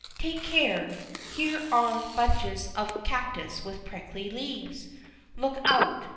Take care! Here are bunches of cactus with prickly leaves. Look out!